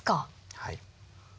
はい。